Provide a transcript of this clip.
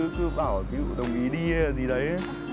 cứ bảo đồng ý đi hay gì đấy